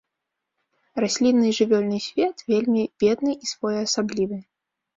Раслінны і жывёльны свет вельмі бедны і своеасаблівы.